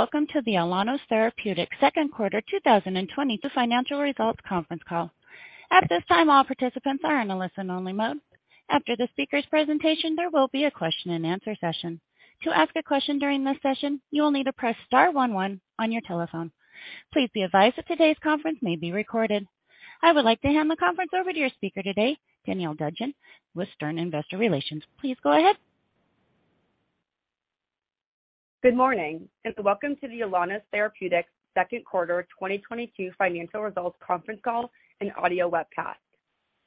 Welcome to the Alaunos Therapeutics second quarter 2022 financial results conference call. At this time, all participants are in a listen only mode. After the speaker's presentation, there will be a question-and-answer session. To ask a question during this session, you will need to press star one one on your telephone. Please be advised that today's conference may be recorded. I would like to hand the conference over to your speaker today, Danielle Dudgeon with Stern Investor Relations. Please go ahead. Good morning, and welcome to the Alaunos Therapeutics second quarter 2022 financial results conference call and audio webcast.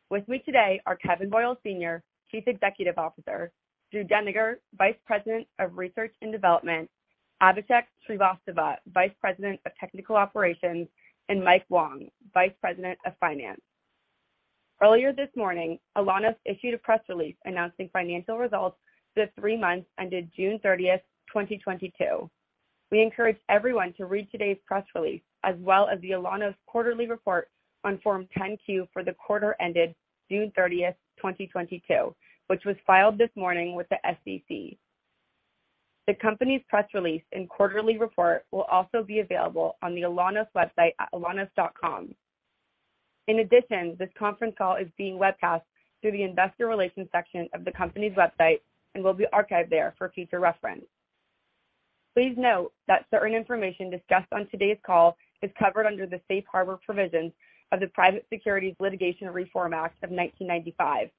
With me today are Kevin S. Boyle, Sr., Chief Executive Officer, Drew Deniger, Vice President of Research and Development, Abhishek Srivastava, Vice President of Technical Operations, and Mike Wong, Vice President of Finance. Earlier this morning, Alaunos issued a press release announcing financial results for the three months ended June 30, 2022. We encourage everyone to read today's press release as well as the Alaunos quarterly report on Form 10-Q for the quarter ended June 30, 2022, which was filed this morning with the SEC. The company's press release and quarterly report will also be available on the Alaunos website at alaunos.com. In addition, this conference call is being webcast through the investor relations section of the company's website and will be archived there for future reference. Please note that certain information discussed on today's call is covered under the safe harbor provisions of the Private Securities Litigation Reform Act of 1995.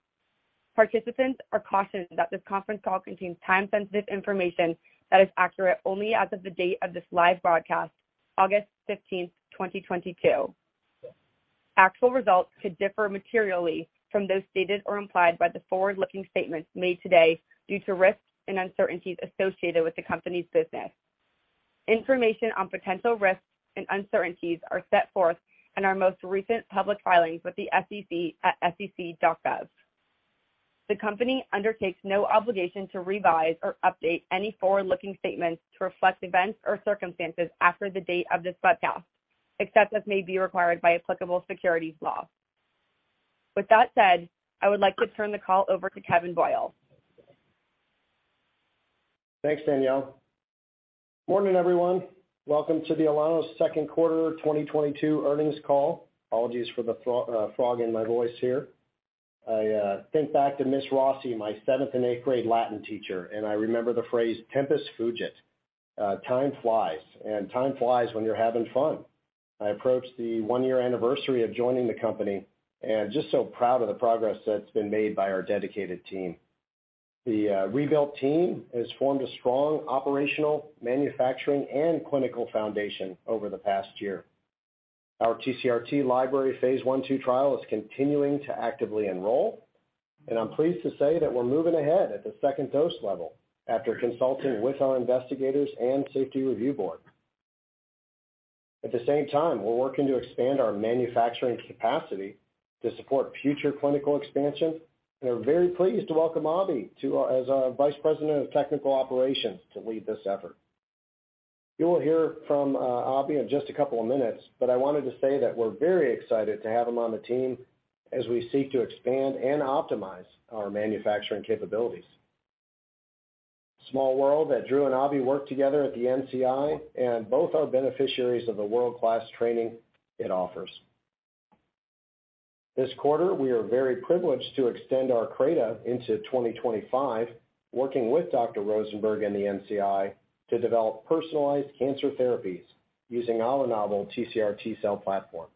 Participants are cautioned that this conference call contains time-sensitive information that is accurate only as of the date of this live broadcast, August 15, 2022. Actual results could differ materially from those stated or implied by the forward-looking statements made today due to risks and uncertainties associated with the company's business. Information on potential risks and uncertainties are set forth in our most recent public filings with the SEC at sec.gov. The company undertakes no obligation to revise or update any forward-looking statements to reflect events or circumstances after the date of this webcast, except as may be required by applicable securities law. With that said, I would like to turn the call over to Kevin Boyle. Thanks, Danielle. Morning, everyone. Welcome to the Alaunos second quarter 2022 earnings call. Apologies for the frog in my voice here. I think back to Miss Rossi, my seventh and eighth grade Latin teacher, and I remember the phrase tempus fugit, time flies, and time flies when you're having fun. I approach the one-year anniversary of joining the company and just so proud of the progress that's been made by our dedicated team. The rebuilt team has formed a strong operational manufacturing and clinical foundation over the past year. Our TCRT library phase 1/2 trial is continuing to actively enroll, and I'm pleased to say that we're moving ahead at the second dose level after consulting with our investigators and safety review board. At the same time, we're working to expand our manufacturing capacity to support future clinical expansion, and we're very pleased to welcome Abhi as our Vice President of Technical Operations to lead this effort. You will hear from Abhi in just a couple of minutes, but I wanted to say that we're very excited to have him on the team as we seek to expand and optimize our manufacturing capabilities. Small world that Drew and Abhi worked together at the NCI and both are beneficiaries of the world-class training it offers. This quarter, we are very privileged to extend our CRADA into 2025, working with Dr. Rosenberg and the NCI to develop personalized cancer therapies using our novel TCR T-cell platform.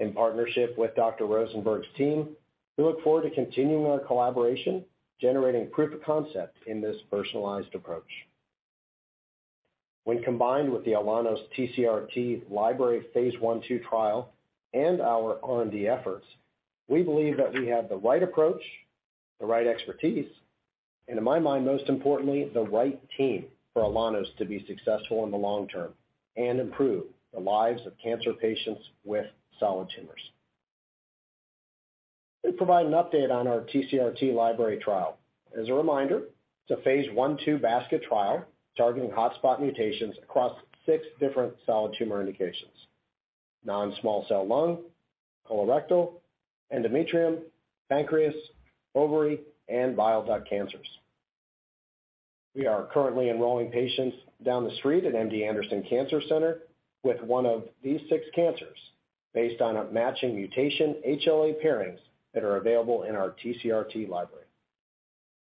In partnership with Dr. Rosenberg's team, we look forward to continuing our collaboration, generating proof of concept in this personalized approach. When combined with the Alaunos TCR-T library phase 1/2 trial and our R&D efforts, we believe that we have the right approach, the right expertise, and to my mind, most importantly, the right team for Alaunos to be successful in the long term and improve the lives of cancer patients with solid tumors. Let me provide an update on our TCR-T library trial. As a reminder, it's a phase 1/2 basket trial targeting hotspot mutations across 6 different solid tumor indications: non-small cell lung, colorectal, endometrial, pancreatic, ovarian, and bile duct cancers. We are currently enrolling patients down the street at MD Anderson Cancer Center with one of these 6 cancers based on a matching mutation HLA pairings that are available in our TCR-T library,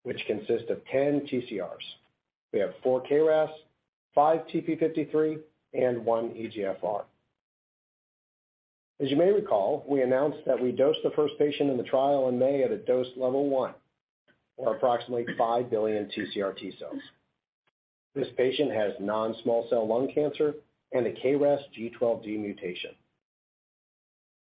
which consists of 10 TCRs. We have 4 KRAS, 5 TP53, and 1 EGFR. As you may recall, we announced that we dosed the first patient in the trial in May at a dose level one or approximately 5 billion TCR T-cells. This patient has non-small-cell lung cancer and a KRAS G12D mutation.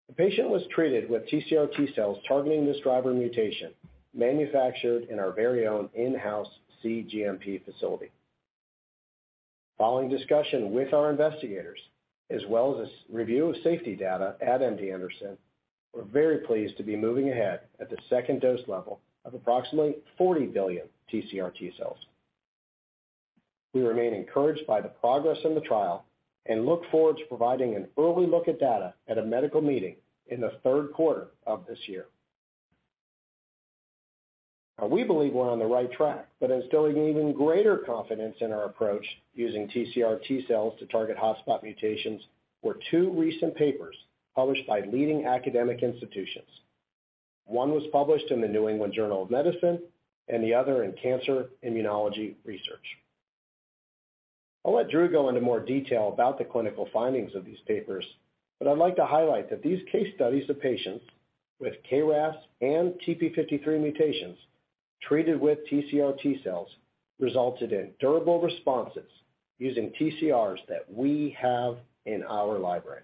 The patient was treated with TCR T-cells targeting this driver mutation manufactured in our very own in-house cGMP facility. Following discussion with our investigators as well as a safety review of safety data at MD Anderson, we're very pleased to be moving ahead at the second dose level of approximately 40 billion TCR T-cells. We remain encouraged by the progress in the trial and look forward to providing an early look at data at a medical meeting in the third quarter of this year. Now we believe we're on the right track, but instilling even greater confidence in our approach using TCR T-cells to target hotspot mutations were two recent papers published by leading academic institutions. One was published in the New England Journal of Medicine and the other in Cancer Immunology Research. I'll let Drew go into more detail about the clinical findings of these papers, but I'd like to highlight that these case studies of patients with KRAS and TP53 mutations treated with TCR T-cells resulted in durable responses using TCRs that we have in our library.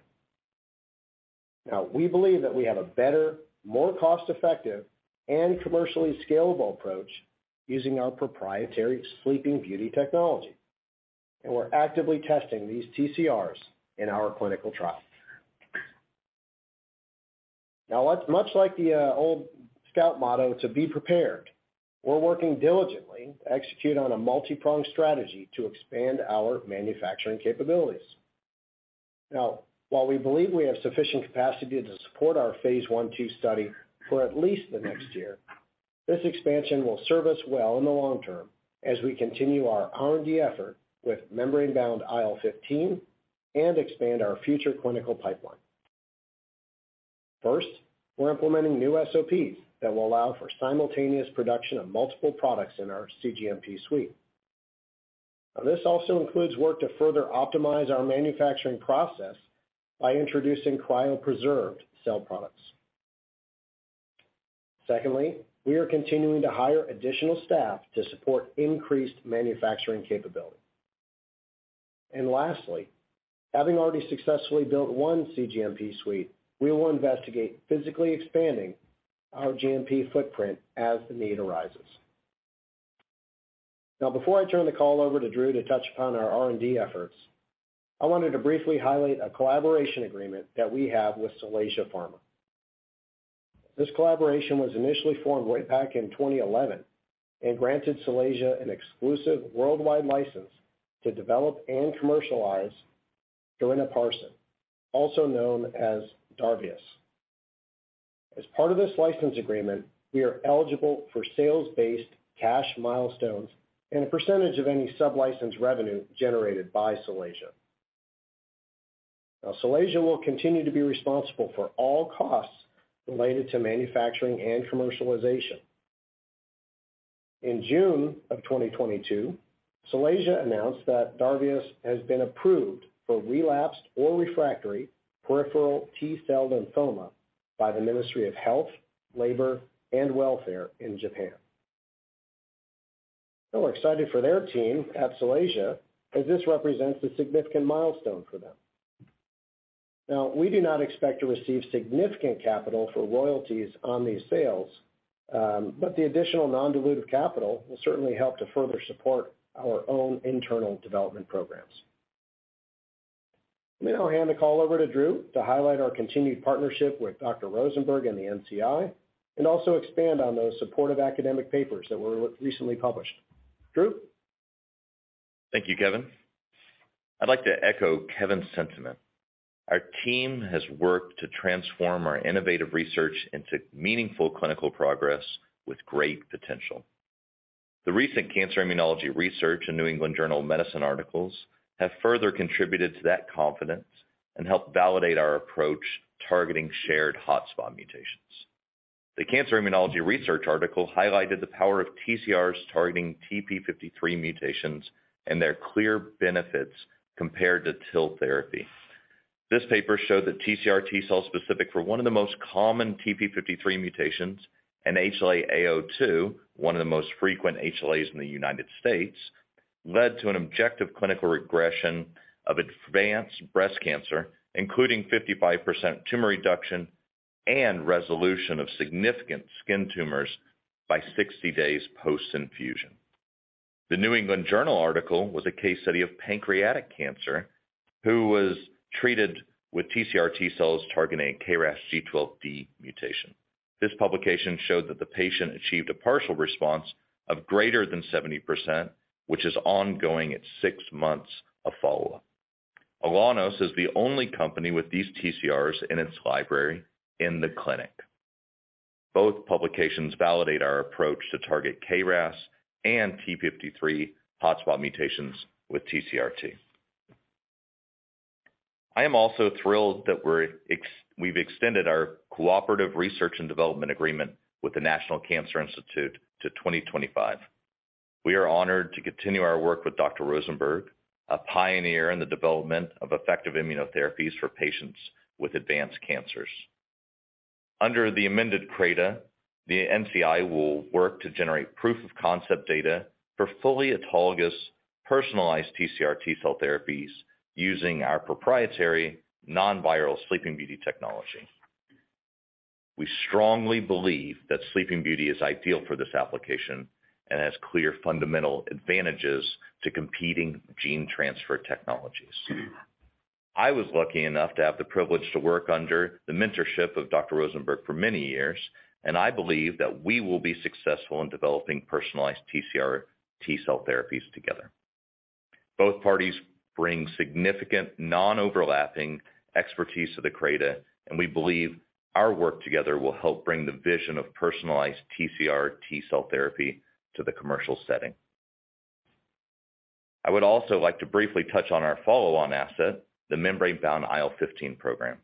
Now, we believe that we have a better, more cost-effective, and commercially scalable approach using our proprietary Sleeping Beauty technology, and we're actively testing these TCRs in our clinical trial. Now, much like the old scout motto to be prepared, we're working diligently to execute on a multi-pronged strategy to expand our manufacturing capabilities. Now, while we believe we have sufficient capacity to support our phase 1/2 study for at least the next year, this expansion will serve us well in the long term as we continue our R&D effort with membrane-bound IL-15 and expand our future clinical pipeline. First, we're implementing new SOPs that will allow for simultaneous production of multiple products in our cGMP suite. Now, this also includes work to further optimize our manufacturing process by introducing cryopreserved cell products. Secondly, we are continuing to hire additional staff to support increased manufacturing capability. Lastly, having already successfully built one cGMP suite, we will investigate physically expanding our GMP footprint as the need arises. Now, before I turn the call over to Drew to touch upon our R&D efforts, I wanted to briefly highlight a collaboration agreement that we have with Solasia Pharma. This collaboration was initially formed way back in 2011 and granted Solasia an exclusive worldwide license to develop and commercialize Darinaparsin, also known as DARVIAS. As part of this license agreement, we are eligible for sales-based cash milestones and a percentage of any sublicense revenue generated by Solasia. Now, Solasia will continue to be responsible for all costs related to manufacturing and commercialization. In June 2022, Solasia announced that DARVIAS has been approved for relapsed or refractory peripheral T-cell lymphoma by the Ministry of Health, Labor, and Welfare in Japan. Now we're excited for their team at Solasia as this represents a significant milestone for them. Now, we do not expect to receive significant capital for royalties on these sales, but the additional non-dilutive capital will certainly help to further support our own internal development programs. Let me now hand the call over to Drew to highlight our continued partnership with Dr. Rosenberg and the NCI and also expand on those supportive academic papers that were recently published. Drew? Thank you, Kevin. I'd like to echo Kevin's sentiment. Our team has worked to transform our innovative research into meaningful clinical progress with great potential. The recent Cancer Immunology Research and New England Journal of Medicine articles have further contributed to that confidence and helped validate our approach targeting shared hotspot mutations. The Cancer Immunology Research article highlighted the power of TCRs targeting TP53 mutations and their clear benefits compared to TIL therapy. This paper showed that TCR T-cells specific for one of the most common TP53 mutations and HLA-A*02, one of the most frequent HLAs in the United States, led to an objective clinical regression of advanced breast cancer, including 55% tumor reduction and resolution of significant skin tumors by 60 days post-infusion. The New England Journal article was a case study of a patient with pancreatic cancer who was treated with TCR T-cells targeting a KRAS G12D mutation. This publication showed that the patient achieved a partial response of greater than 70%, which is ongoing at six months of follow-up. Alaunos is the only company with these TCRs in its library in the clinic. Both publications validate our approach to target KRAS and TP53 hotspot mutations with TCRT. I am also thrilled that we've extended our cooperative research and development agreement with the National Cancer Institute to 2025. We are honored to continue our work with Dr. Rosenberg, a pioneer in the development of effective immunotherapies for patients with advanced cancers. Under the amended CRADA, the NCI will work to generate proof-of-concept data for fully autologous, personalized TCR T-cell therapies using our proprietary non-viral Sleeping Beauty technology. We strongly believe that Sleeping Beauty is ideal for this application and has clear fundamental advantages to competing gene transfer technologies. I was lucky enough to have the privilege to work under the mentorship of Dr. Rosenberg for many years, and I believe that we will be successful in developing personalized TCR T-cell therapies together. Both parties bring significant non-overlapping expertise to the CRADA, and we believe our work together will help bring the vision of personalized TCR T-cell therapy to the commercial setting. I would also like to briefly touch on our follow-on asset, the membrane-bound IL-15 program.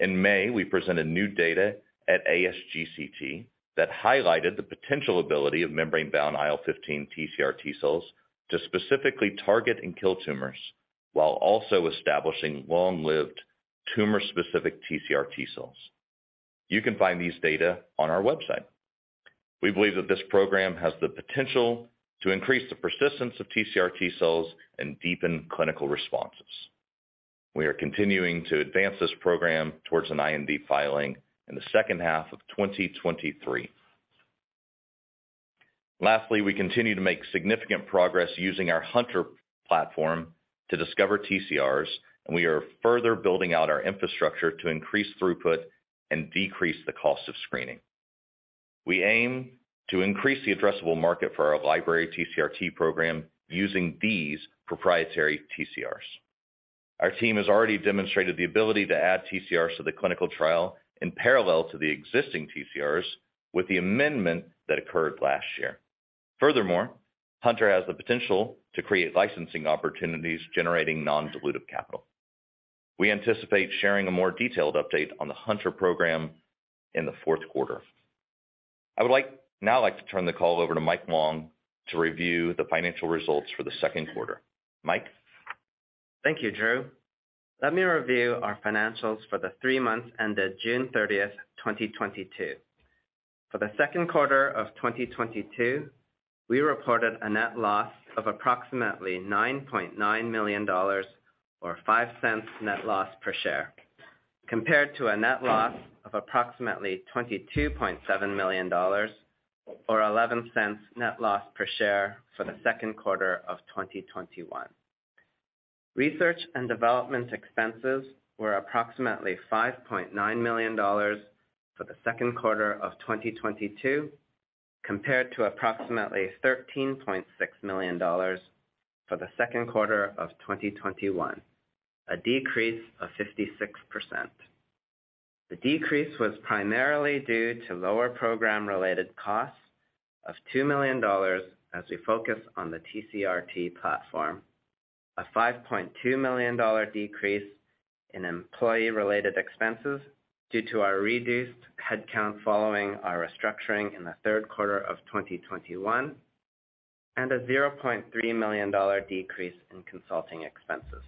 In May, we presented new data at ASGCT that highlighted the potential ability of membrane-bound IL-15 TCR T-cells to specifically target and kill tumors while also establishing long-lived tumor-specific TCR T-cells. You can find these data on our website. We believe that this program has the potential to increase the persistence of TCR T-cells and deepen clinical responses. We are continuing to advance this program towards an IND filing in the second half of 2023. Lastly, we continue to make significant progress using our hunTR platform to discover TCRs, and we are further building out our infrastructure to increase throughput and decrease the cost of screening. We aim to increase the addressable market for our library TCRT program using these proprietary TCRs. Our team has already demonstrated the ability to add TCRs to the clinical trial in parallel to the existing TCRs with the amendment that occurred last year. Furthermore, hunTR has the potential to create licensing opportunities, generating non-dilutive capital. We anticipate sharing a more detailed update on the hunTR program in the fourth quarter. I would now like to turn the call over to Mike Wong to review the financial results for the second quarter. Mike? Thank you, Drew Deniger. Let me review our financials for the three months ended June 30, 2022. For the second quarter of 2022, we reported a net loss of approximately $9.9 million or $0.05 net loss per share, compared to a net loss of approximately $22.7 million or $0.11 net loss per share for the second quarter of 2021. Research and development expenses were approximately $5.9 million for the second quarter of 2022, compared to approximately $13.6 million for the second quarter of 2021. A decrease of 56%. The decrease was primarily due to lower program-related costs of $2 million as we focus on the TCRT platform. A $5.2 million decrease in employee-related expenses due to our reduced headcount following our restructuring in the third quarter of 2021, and a $0.3 million decrease in consulting expenses.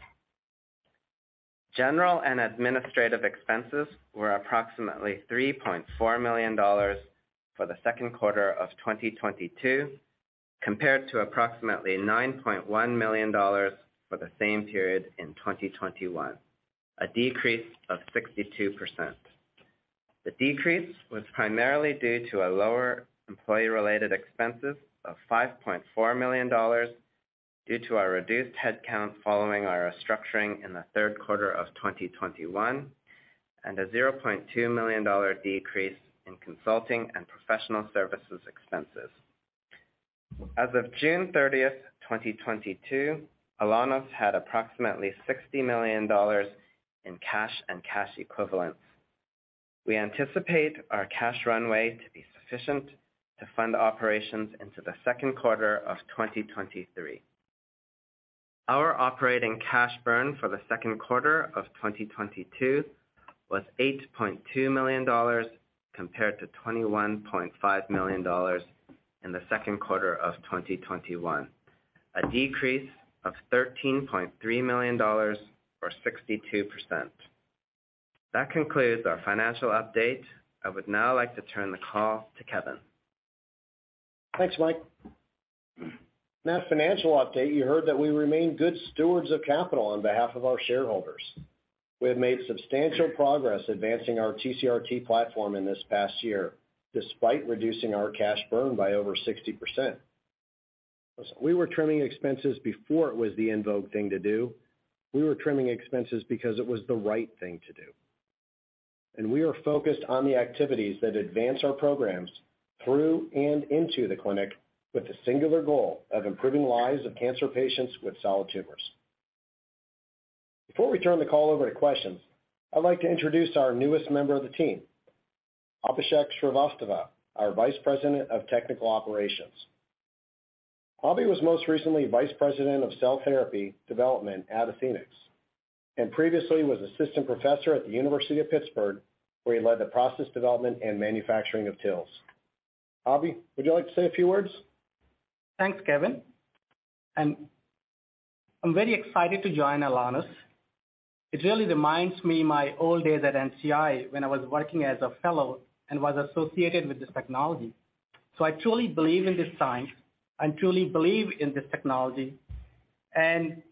General and administrative expenses were approximately $3.4 million for the second quarter of 2022, compared to approximately $9.1 million for the same period in 2021. A decrease of 62%. The decrease was primarily due to lower employee-related expenses of $5.4 million due to our reduced headcount following our restructuring in the third quarter of 2021, and a $0.2 million decrease in consulting and professional services expenses. As of June 30, 2022, Alaunos had approximately $60 million in cash and cash equivalents. We anticipate our cash runway to be sufficient to fund operations into the second quarter of 2023. Our operating cash burn for the second quarter of 2022 was $8.2 million compared to $21.5 million in the second quarter of 2021. A decrease of $13.3 million or 62%. That concludes our financial update. I would now like to turn the call to Kevin. Thanks, Mike. In that financial update, you heard that we remain good stewards of capital on behalf of our shareholders. We have made substantial progress advancing our TCRT platform in this past year, despite reducing our cash burn by over 60%. We were trimming expenses before it was the in vogue thing to do. We were trimming expenses because it was the right thing to do. We are focused on the activities that advance our programs through and into the clinic with the singular goal of improving lives of cancer patients with solid tumors. Before we turn the call over to questions, I'd like to introduce our newest member of the team, Abhishek Srivastava, our Vice President of Technical Operations. Abhi was most recently Vice President of cell therapy development at Athenex, and previously was Assistant Professor at the University of Pittsburgh, where he led the process development and manufacturing of TILs. Abhi, would you like to say a few words? Thanks, Kevin. I'm very excited to join Alaunos. It really reminds me my old days at NCI when I was working as a fellow and was associated with this technology. I truly believe in this science and truly believe in this technology, and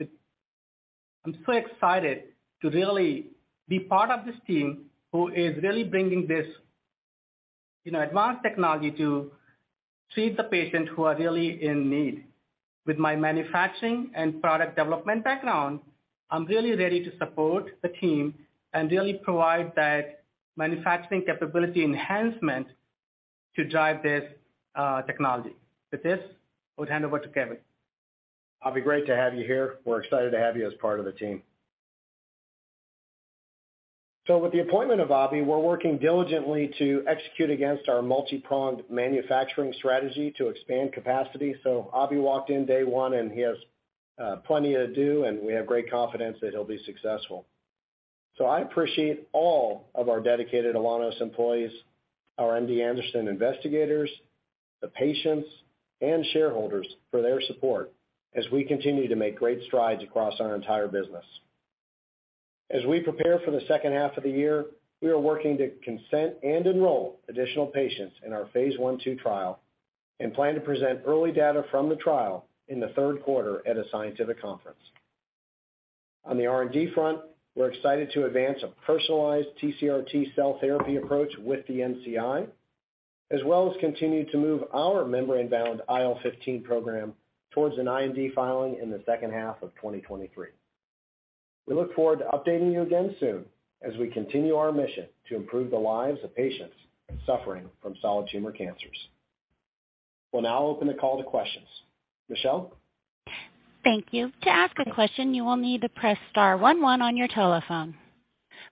I'm so excited to really be part of this team who is really bringing this, you know, advanced technology to treat the patients who are really in need. With my manufacturing and product development background, I'm really ready to support the team and really provide that manufacturing capability enhancement to drive this technology. With this, I'll hand over to Kevin. Abhi, great to have you here. We're excited to have you as part of the team. With the appointment of Abhi, we're working diligently to execute against our multi-pronged manufacturing strategy to expand capacity. Abhi walked in day one, and he has plenty to do, and we have great confidence that he'll be successful. I appreciate all of our dedicated Alaunos employees, our MD Anderson investigators, the patients and shareholders for their support as we continue to make great strides across our entire business. As we prepare for the second half of the year, we are working to consent and enroll additional patients in our phase 1/2 trial and plan to present early data from the trial in the third quarter at a scientific conference. On the R&D front, we're excited to advance a personalized TCRT cell therapy approach with the NCI, as well as continue to move our membrane-bound IL-15 program towards an IND filing in the second half of 2023. We look forward to updating you again soon as we continue our mission to improve the lives of patients suffering from solid tumor cancers. We'll now open the call to questions. Michelle? Thank you. To ask a question, you will need to press star one one on your telephone.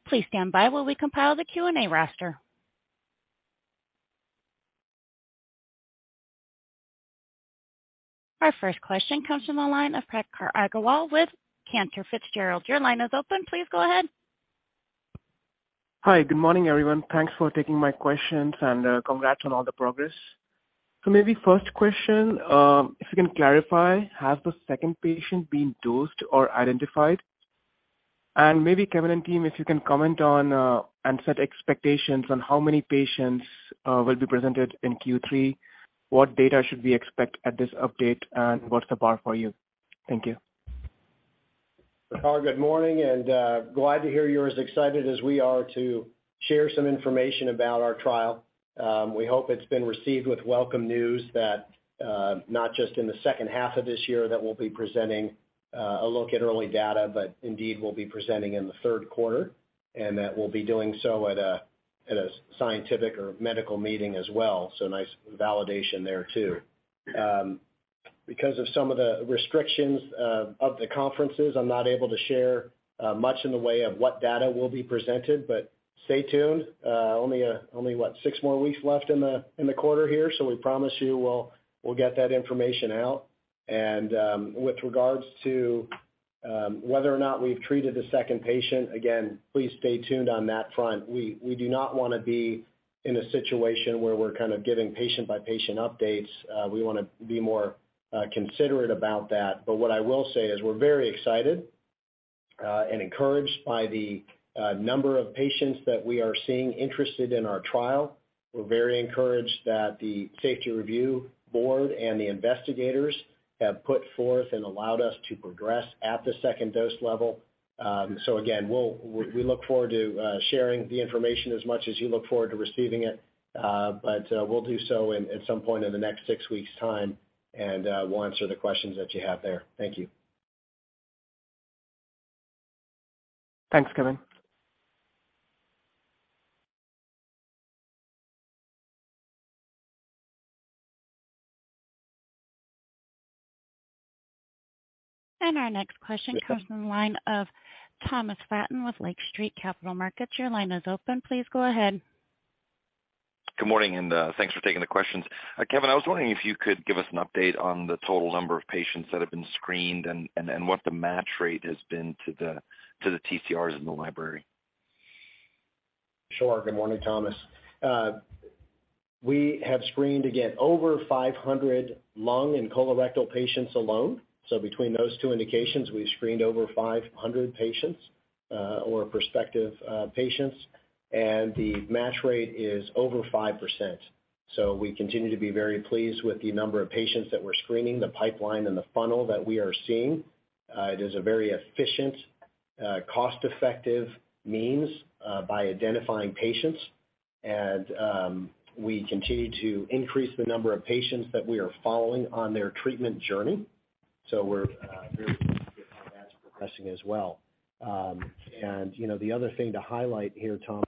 Please stand by while we compile the Q&A roster. Our first question comes from the line of Prakhar Agrawal with Cantor Fitzgerald. Your line is open. Please go ahead. Hi. Good morning, everyone. Thanks for taking my questions, and congrats on all the progress. Maybe first question, if you can clarify, has the second patient been dosed or identified? Maybe Kevin and team, if you can comment on and set expectations on how many patients will be presented in Q3, what data should we expect at this update, and what's the bar for you? Thank you. Prakhar, good morning, and glad to hear you're as excited as we are to share some information about our trial. We hope it's been received with welcome news that not just in the second half of this year that we'll be presenting a look at early data, but indeed, we'll be presenting in the third quarter, and that we'll be doing so at a scientific or medical meeting as well. Nice validation there too. Because of some of the restrictions of the conferences, I'm not able to share much in the way of what data will be presented, but stay tuned. Only what? Six more weeks left in the quarter here. We promise you we'll get that information out. With regards to whether or not we've treated the second patient, again, please stay tuned on that front. We do not wanna be in a situation where we're kind of giving patient by patient updates. We wanna be more considerate about that. What I will say is we're very excited and encouraged by the number of patients that we are seeing interested in our trial. We're very encouraged that the safety review board and the investigators have put forth and allowed us to progress at the second dose level. We'll look forward to sharing the information as much as you look forward to receiving it. We'll do so at some point in the next six weeks' time, and we'll answer the questions that you have there. Thank you. Thanks, Kevin. Our next question comes from the line of Thomas Flaten with Lake Street Capital Markets. Your line is open. Please go ahead. Good morning, thanks for taking the questions. Kevin, I was wondering if you could give us an update on the total number of patients that have been screened and what the match rate has been to the TCRs in the library. Sure. Good morning, Thomas. We have screened, again, over 500 lung and colorectal patients alone. Between those two indications, we've screened over 500 patients, or prospective patients, and the match rate is over 5%. We continue to be very pleased with the number of patients that we're screening, the pipeline and the funnel that we are seeing. It is a very efficient, cost-effective means by identifying patients. We continue to increase the number of patients that we are following on their treatment journey. We're very pleased with how that's progressing as well. You know, the other thing to highlight here, Thomas,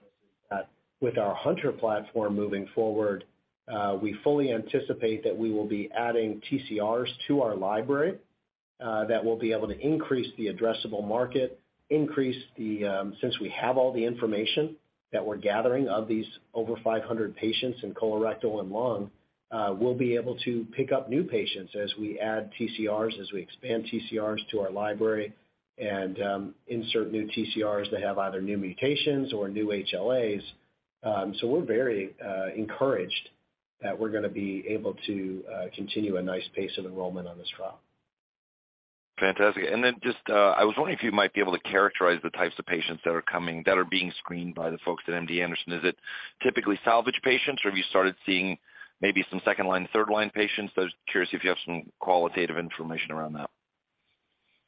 is that with our hunTR platform moving forward, we fully anticipate that we will be adding TCRs to our library that will be able to increase the addressable market. Since we have all the information that we're gathering of these over 500 patients in colorectal and lung, we'll be able to pick up new patients as we add TCRs, as we expand TCRs to our library and insert new TCRs that have either new mutations or new HLAs. We're very encouraged that we're gonna be able to continue a nice pace of enrollment on this trial. Fantastic. Just, I was wondering if you might be able to characterize the types of patients that are coming, that are being screened by the folks at MD Anderson. Is it typically salvage patients, or have you started seeing maybe some second line, third line patients? Just curious if you have some qualitative information around that.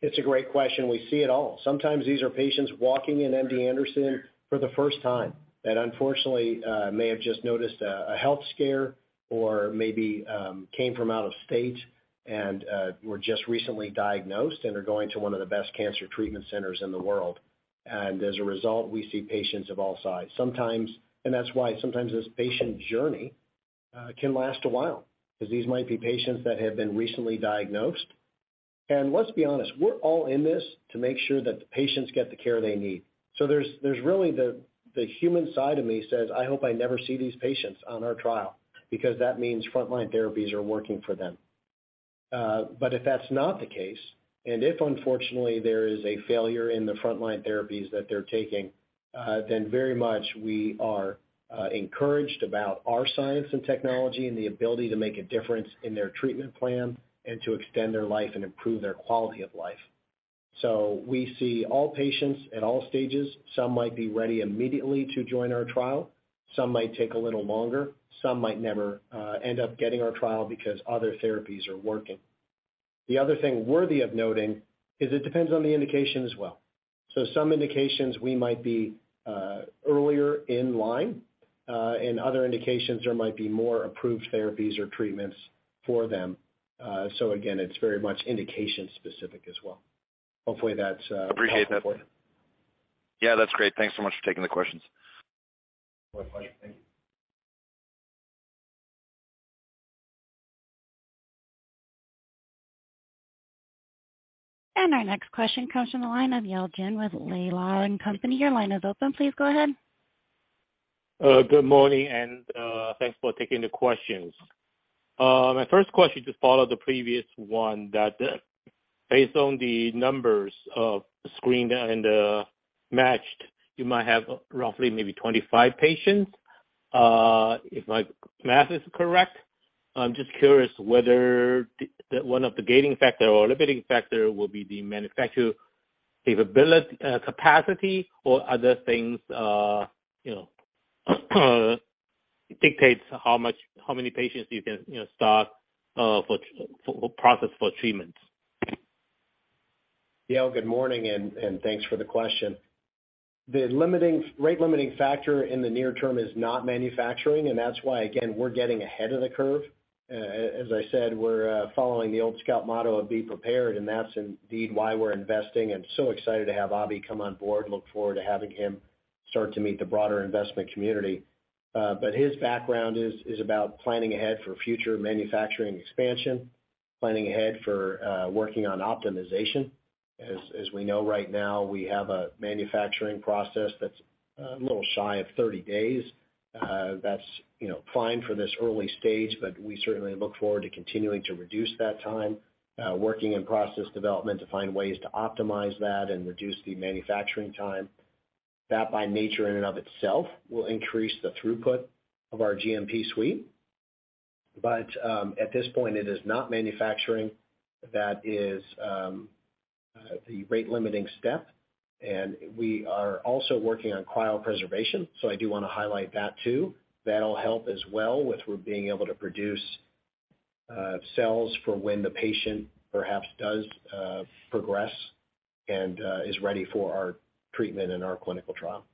It's a great question. We see it all. Sometimes these are patients walking in MD Anderson for the first time that unfortunately may have just noticed a health scare or maybe came from out of state and were just recently diagnosed and are going to one of the best cancer treatment centers in the world. As a result, we see patients of all sides sometimes. That's why sometimes this patient journey can last a while, 'cause these might be patients that have been recently diagnosed. Let's be honest, we're all in this to make sure that the patients get the care they need. There's really the human side of me says, "I hope I never see these patients on our trial," because that means frontline therapies are working for them. If that's not the case, and if unfortunately there is a failure in the frontline therapies that they're taking, then very much we are encouraged about our science and technology and the ability to make a difference in their treatment plan and to extend their life and improve their quality of life. We see all patients at all stages. Some might be ready immediately to join our trial. Some might take a little longer, some might never end up getting our trial because other therapies are working. The other thing worthy of noting is it depends on the indication as well. Some indications we might be earlier in line, and other indications there might be more approved therapies or treatments for them. Again, it's very much indication specific as well. Hopefully, that's helpful. Appreciate that. Yeah, that's great. Thanks so much for taking the questions. My pleasure. Thank you. Our next question comes from the line of Yale Jen with Laidlaw & Company. Your line is open. Please go ahead. Good morning and thanks for taking the questions. My first question, to follow the previous one, that based on the numbers of screened and matched, you might have roughly maybe 25 patients if my math is correct. I'm just curious whether one of the gating factor or limiting factor will be the manufacturer capability, capacity or other things, you know, dictates how much, how many patients you can, you know, start for process for treatments. Yale, good morning and thanks for the question. The rate limiting factor in the near term is not manufacturing, and that's why, again, we're getting ahead of the curve. As I said, we're following the old scout motto of "Be prepared," and that's indeed why we're investing and so excited to have Avi come on board. Look forward to having him start to meet the broader investment community. His background is about planning ahead for future manufacturing expansion, planning ahead for working on optimization. As we know right now, we have a manufacturing process that's a little shy of 30 days. That's, you know, fine for this early stage, but we certainly look forward to continuing to reduce that time, working in process development to find ways to optimize that and reduce the manufacturing time. That by nature in and of itself will increase the throughput of our GMP suite. At this point it is not manufacturing that is the rate limiting step. We are also working on cryopreservation, so I do wanna highlight that too. That'll help as well with we're being able to produce cells for when the patient perhaps does progress and is ready for our treatment and our clinical trial.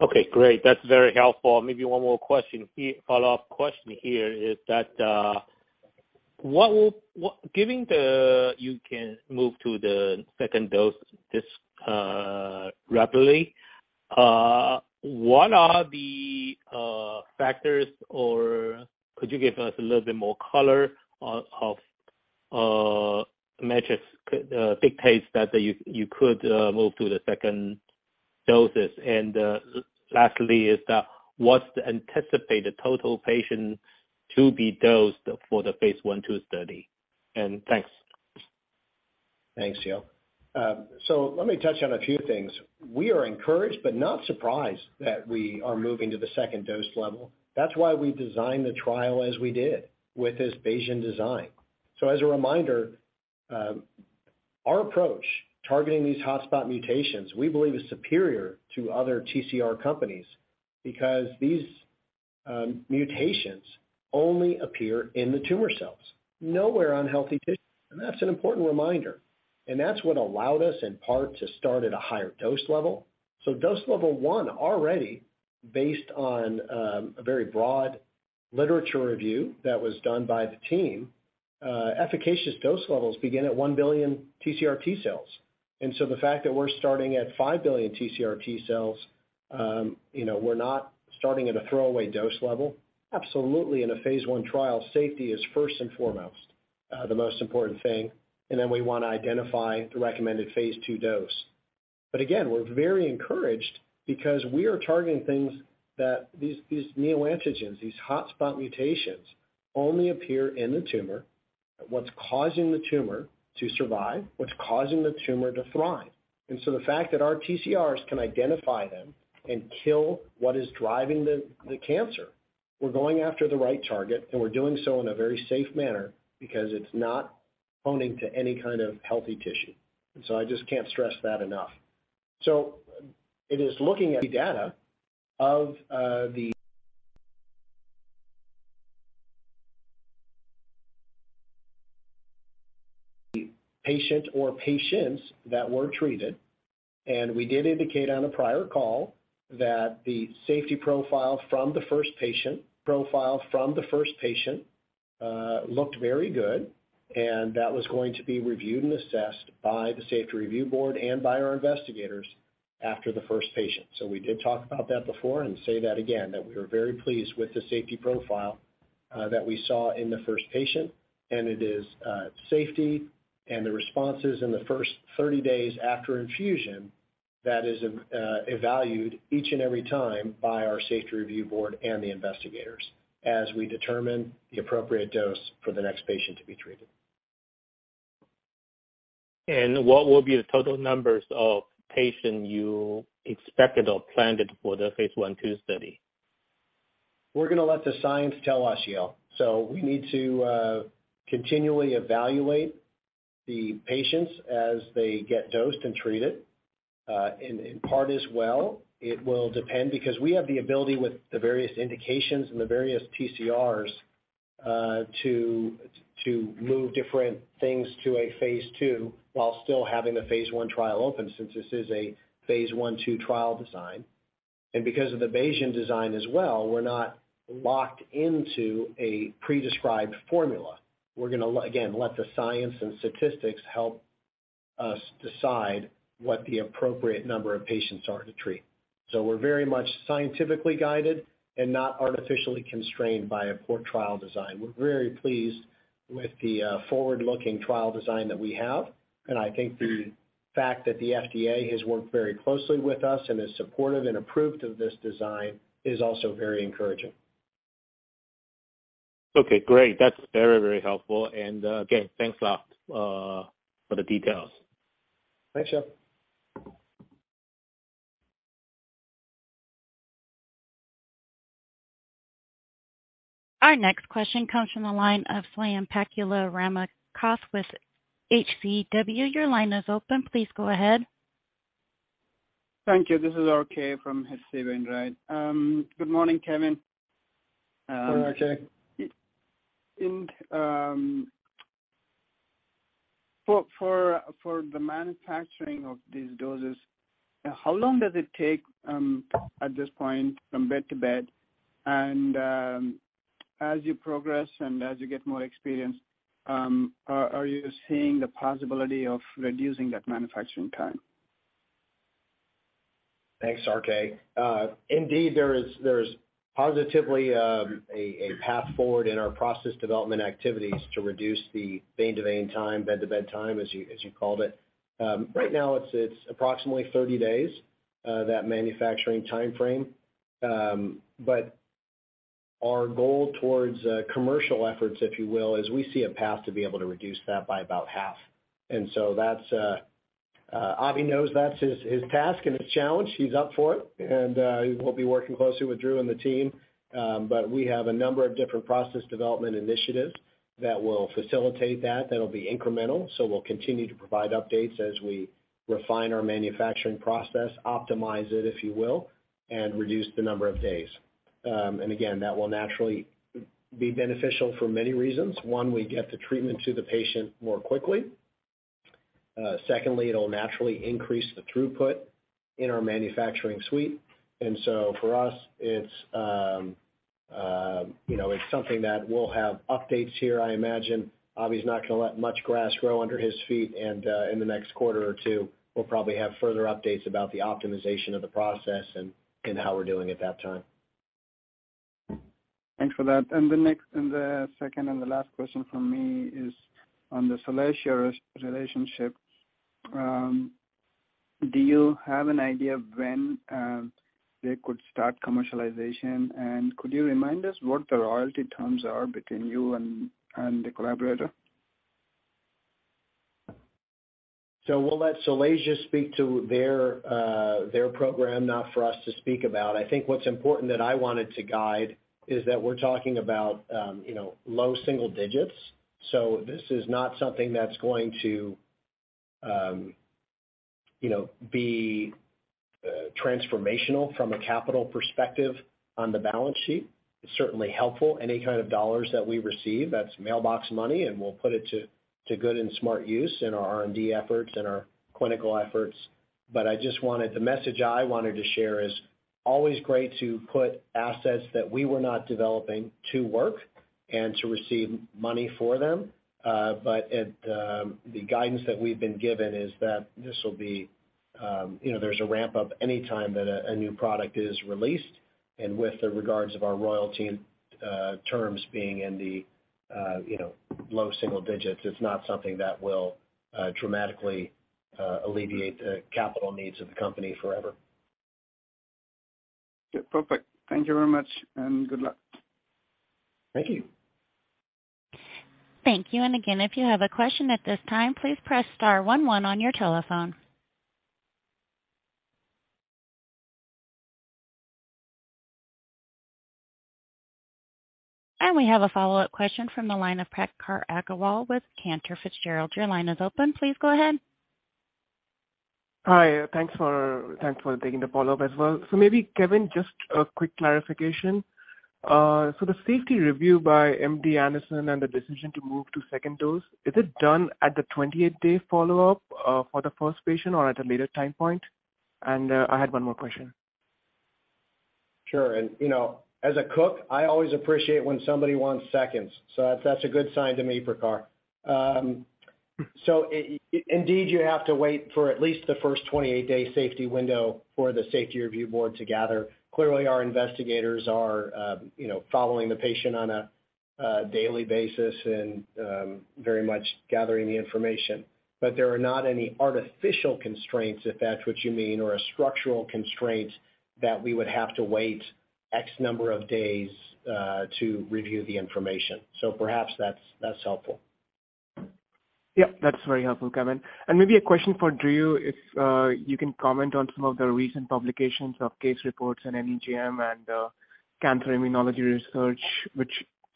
Okay, great. That's very helpful. Maybe one more question here. Follow-up question here is, given that you can move to the second dose so rapidly, what are the factors or could you give us a little bit more color on how metrics could dictate that you could move to the second doses? Lastly, what is the anticipated total patient to be dosed for the phase 1/2 study? And thanks. Thanks, Yale. Let me touch on a few things. We are encouraged but not surprised that we are moving to the second dose level. That's why we designed the trial as we did with this Bayesian design. As a reminder, our approach targeting these hotspot mutations, we believe is superior to other TCR companies because these mutations only appear in the tumor cells, nowhere on healthy tissue, and that's an important reminder. That's what allowed us in part to start at a higher dose level. Dose level one already based on a very broad literature review that was done by the team. Efficacious dose levels begin at 1 billion TCR T-cells. The fact that we're starting at 5 billion TCR T-cells, you know, we're not starting at a throwaway dose level. Absolutely, in a phase 1 trial, safety is first and foremost, the most important thing. Then we wanna identify the recommended phase 2 dose. We're very encouraged because we are targeting things that these neoantigens, these hotspot mutations only appear in the tumor. What's causing the tumor to survive, what's causing the tumor to thrive. The fact that our TCRs can identify them and kill what is driving the cancer, we're going after the right target, and we're doing so in a very safe manner because it's not homing to any kind of healthy tissue. I just can't stress that enough. It is looking at the data of the patient or patients that were treated, and we did indicate on a prior call that the safety profile from the first patient looked very good, and that was going to be reviewed and assessed by the safety review board and by our investigators after the first patient. We did talk about that before and said that again, that we were very pleased with the safety profile that we saw in the first patient, and it is safety and the responses in the first 30 days after infusion that is evaluated each and every time by our safety review board and the investigators as we determine the appropriate dose for the next patient to be treated. What will be the total numbers of patients you expected or planned for the phase 1/2 study? We're gonna let the science tell us, Yale Jen. We need to continually evaluate the patients as they get dosed and treated. In part as well, it will depend because we have the ability with the various indications and the various TCRs to move different things to a phase 2 while still having the phase 1 trial open since this is a phase 1/2 trial design. Because of the Bayesian design as well, we're not locked into a pre-described formula. We're gonna again let the science and statistics help us decide what the appropriate number of patients are to treat. We're very much scientifically guided and not artificially constrained by a poor trial design. We're very pleased with the forward-looking trial design that we have, and I think the fact that the FDA has worked very closely with us and is supportive and approved of this design is also very encouraging. Okay, great. That's very, very helpful. Again, thanks a lot, for the details. Thanks, Yale Jen. Our next question comes from the line of Swayampakula Ramakanth with HCW. Your line is open. Please go ahead. Thank you. This is RK from H.C. Wainwright. Good morning, Kevin. Good morning, RK. For the manufacturing of these doses, how long does it take at this point from bed to bed? As you progress and as you get more experience, are you seeing the possibility of reducing that manufacturing time? Thanks, RK. Indeed, there is positively a path forward in our process development activities to reduce the vein to vein time, bed to bed time, as you called it. Right now it's approximately 30 days that manufacturing timeframe. Our goal towards commercial efforts, if you will, is we see a path to be able to reduce that by about half. Avi knows that's his task and his challenge. He's up for it and he will be working closely with Drew and the team. We have a number of different process development initiatives that will facilitate that'll be incremental, so we'll continue to provide updates as we refine our manufacturing process, optimize it, if you will, and reduce the number of days. Again, that will naturally be beneficial for many reasons. One, we get the treatment to the patient more quickly. Secondly, it'll naturally increase the throughput in our manufacturing suite. For us, it's, you know, it's something that we'll have updates here, I imagine. Avi's not gonna let much grass grow under his feet, and in the next quarter or two, we'll probably have further updates about the optimization of the process and how we're doing at that time. Thanks for that. The next, the second, and the last question from me is on the Solasia relationship. Do you have an idea of when they could start commercialization? Could you remind us what the royalty terms are between you and the collaborator? We'll let Solasia speak to their program, not for us to speak about. I think what's important that I wanted to guide is that we're talking about, you know, low single digits. This is not something that's going to, you know, be transformational from a capital perspective on the balance sheet. It's certainly helpful. Any kind of dollars that we receive, that's mailbox money, and we'll put it to good and smart use in our R&D efforts and our clinical efforts. I just wanted the message I wanted to share is always great to put assets that we were not developing to work and to receive money for them. At the guidance that we've been given is that this will be, you know, there's a ramp up any time that a new product is released. With regard to our royalty terms being in the, you know, low single digits, it's not something that will dramatically alleviate the capital needs of the company forever. Yeah, perfect. Thank you very much, and good luck. Thank you. Thank you. Again, if you have a question at this time, please press star one one on your telephone. We have a follow-up question from the line of Prakhar Agrawal with Cantor Fitzgerald. Your line is open. Please go ahead. Hi. Thanks for taking the follow-up as well. Maybe, Kevin, just a quick clarification. The safety review by MD Anderson and the decision to move to second dose, is it done at the 28-day follow-up for the first patient or at a later time point? I had one more question. Sure. You know, as a cook, I always appreciate when somebody wants seconds, so that's a good sign to me, Prakhar. Indeed, you have to wait for at least the first 28-day safety window for the safety review board to gather. Clearly, our investigators are, you know, following the patient on a daily basis and very much gathering the information. But there are not any artificial constraints, if that's what you mean, or structural constraints that we would have to wait X number of days to review the information. Perhaps that's helpful. Yeah, that's very helpful, Kevin. Maybe a question for Drew, if you can comment on some of the recent publications of case reports in NEJM and Cancer Immunology Research, which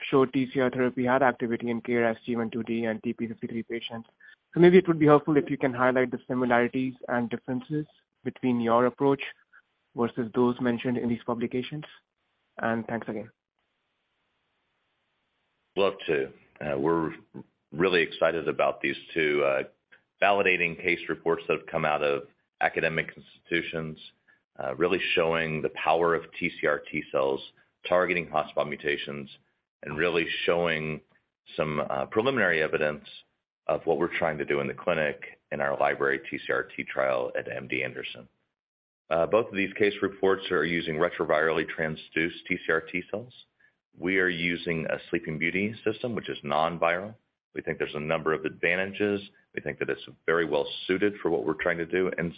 show TCR therapy had activity in KRAS G12D and TP53 patients. Maybe it would be helpful if you can highlight the similarities and differences between your approach versus those mentioned in these publications. Thanks again. Love to. We're really excited about these two validating case reports that have come out of academic institutions, really showing the power of TCR T-cells, targeting hotspot mutations, and really showing some preliminary evidence of what we're trying to do in the clinic in our library TCR T trial at MD Anderson. Both of these case reports are using retrovirally transduced TCR T-cells. We are using a Sleeping Beauty system, which is non-viral. We think there's a number of advantages. We think that it's very well suited for what we're trying to do and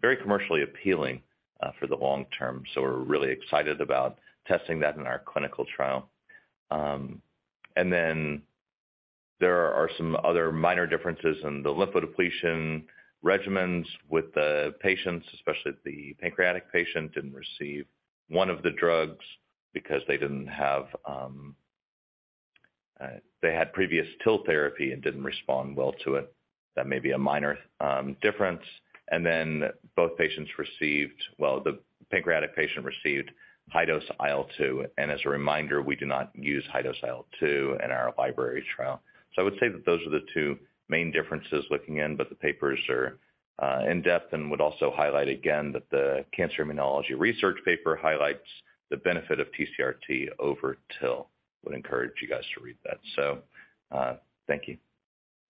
very commercially appealing for the long term. So we're really excited about testing that in our clinical trial. And then there are some other minor differences in the lymphodepletion regimens with the patients, especially the pancreatic patient didn't receive one of the drugs because they didn't have. They had previous TIL therapy and didn't respond well to it. That may be a minor difference. Then both patients received. Well, the pancreatic patient received high-dose IL-2. As a reminder, we do not use high-dose IL-2 in our library trial. I would say that those are the two main differences looking in, but the papers are in-depth and would also highlight again that the Cancer Immunology Research paper highlights the benefit of TCRT over TIL. Would encourage you guys to read that. Thank you.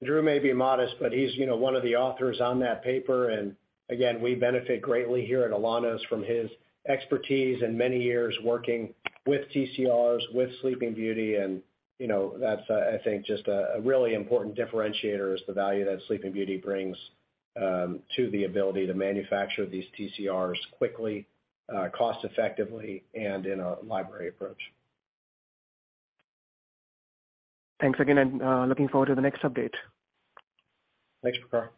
Drew may be modest, but he's, you know, one of the authors on that paper. Again, we benefit greatly here at Alaunos from his expertise and many years working with TCRs, with Sleeping Beauty. You know, that's, I think just a really important differentiator is the value that Sleeping Beauty brings to the ability to manufacture these TCRs quickly, cost effectively, and in a library approach. Thanks again, and looking forward to the next update. Thanks, Prakhar.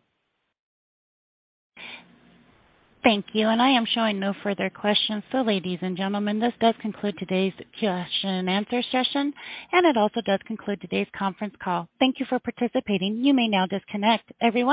Thank you. I am showing no further questions. Ladies and gentlemen, this does conclude today's question-and-answer session, and it also does conclude today's conference call. Thank you for participating. You may now disconnect. Everyone